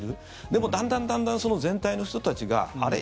でも、だんだん、だんだんその全体の人たちがあれ？